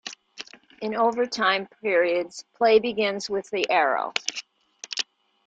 In overtime periods, play begins with the arrow.